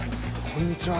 こんにちは。